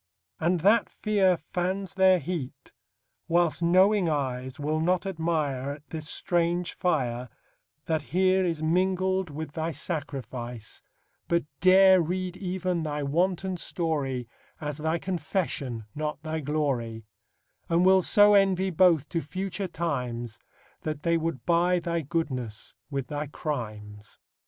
And that fear fans their heat; whilst knowing eyes Will not admire At this strange fire That here is mingled with thy sacrifice, But dare read even thy wanton story As thy confession, not thy glory; And will so envy both to future times, That they would buy thy goodness with thy crimes.